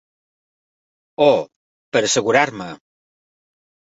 Oh, per assegurar-me!